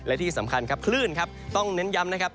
และที่สำคัญครับคลื่นครับต้องเน้นย้ำนะครับ